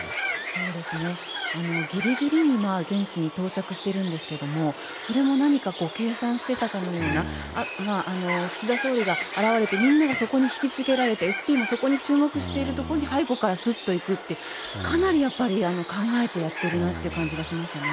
そうですね、ぎりぎりに現地に到着してるんですけども、それも何か計算してたかのような、岸田総理が現れて、みんながそこに引きつけられて、ＳＰもそこに注目しているところに、背後からすっと行くって、かなりやっぱり考えてやっているなっていう感じがしましたね。